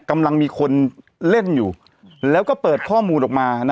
กำลังมีคนเล่นอยู่แล้วก็เปิดข้อมูลออกมา